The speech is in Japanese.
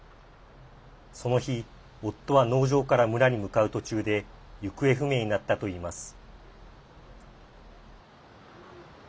その日夫は農場から村に向かう途中で行方不明になったと言います。